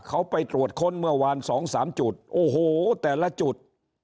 เขาไปตรวจค้นเมื่อวานสองสามจุดโอ้โหแต่ละจุด